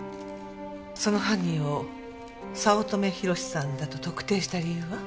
その犯人を早乙女宏志さんだと特定した理由は？